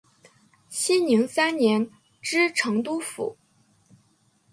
熙宁三年知成都府。